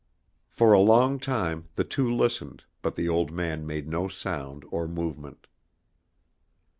For a long time the two listened, but the old man made no sound or movement.